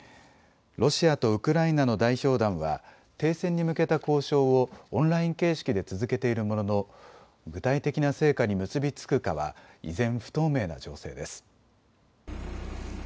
ロシアとウクライナの代表団は停戦に向けた交渉をオンライン形式で続けているものの具体的な成果に結び付くかは依然、不透明な情勢です。